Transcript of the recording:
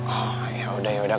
oh yaudah yaudah